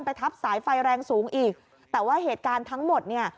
ทับสายไฟแรงสูงอีกแต่ว่าเหตุการณ์ทั้งหมดเนี่ย